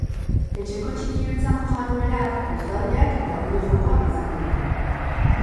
Etxeko txikienentzako jarduerak, puzgarriak eta bideo-jokoak izango dira.